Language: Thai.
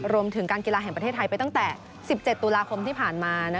รวมถึงการกีฬาแห่งประเทศไทยไปตั้งแต่๑๗ตุลาคมที่ผ่านมา